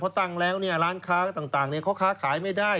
พอตั้งแล้วร้านค้าต่างเขาค้าขายไม่ได้